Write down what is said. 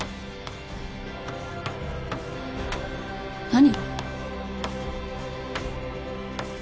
何？